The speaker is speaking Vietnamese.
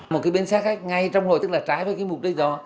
một cái bến xe khách ngay trong rồi tức là trái với cái mục đích đó